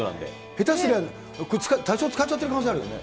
下手すりゃ、多少使っちゃってる可能性あるよね。